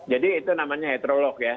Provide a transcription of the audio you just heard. jadi itu namanya heterolog ya